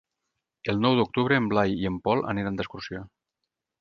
El nou d'octubre en Blai i en Pol aniran d'excursió.